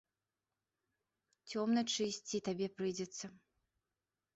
Цёмначы ісці табе прыйдзецца.